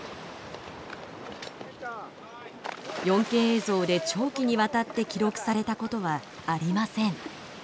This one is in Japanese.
４Ｋ映像で長期にわたって記録されたことはありません。